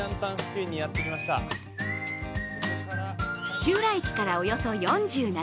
土浦駅からおよそ４７ｋｍ。